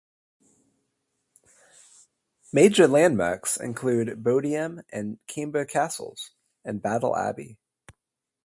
Major landmarks include Bodiam and Camber Castles; and Battle Abbey.